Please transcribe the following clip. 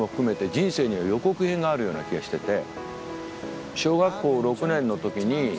人生には予告編があるような気がしてて。